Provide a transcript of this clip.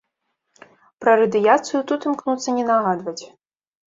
Пра радыяцыю тут імкнуцца не нагадваць.